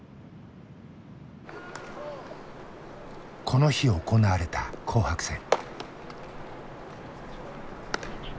この日行われた紅白戦。